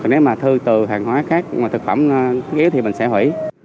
nếu mà thư từ hàng hóa khác mà thực phẩm ghế thì mình sẽ hủy